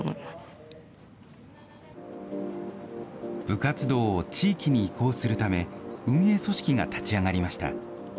部活動を地域に移行するため、運営組織が立ち上がりました。